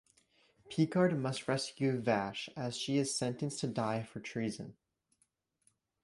Picard must rescue Vash as she is sentenced to die for treason.